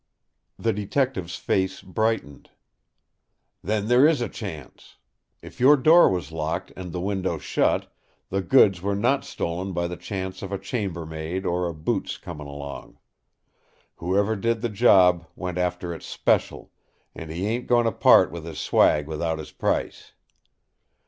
The Detective's face brightened. "Then there is a chance. If your door was locked and the window shut, the goods were not stolen by the chance of a chambermaid or a boots coming along. Whoever did the job went after it special; and he ain't going to part with his swag without his price.